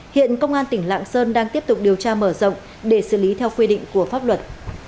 hiện công an tỉnh lạng sơn đang tiếp tục điều tra mở rộng để xử lý theo quy định của pháp luật